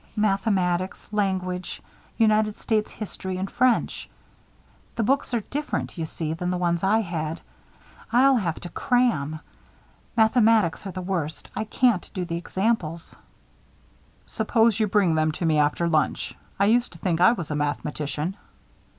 Mathematics, language, United States history, and French. The books are different, you see, from the ones I had. I'll have to cram. Mathematics are the worst. I can't do the examples." "Suppose you bring them to me, after lunch. I used to think I was a mathematician."